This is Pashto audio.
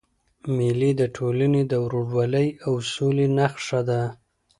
مېلې د ټولني د ورورولۍ او سولي نخښه ده.